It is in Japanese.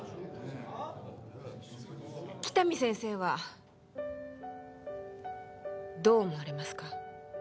喜多見先生はどう思われますか？